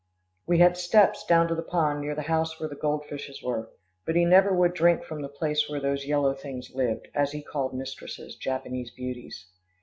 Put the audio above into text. We had steps down to the pond near the house where the goldfishes were, but he never would drink from the place where those yellow things lived, as he called mistress's Japanese beauties.